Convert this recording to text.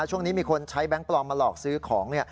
ช่วงนี้มีคนใช้แบงค์ปลอมมาหลอกซื้อของ